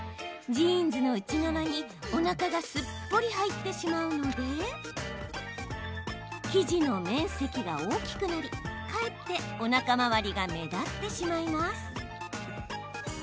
ジーンズの内側に、おなかがすっぽり入ってしまうので生地の面積が大きくなりかえって、おなか回りが目立ってしまいます。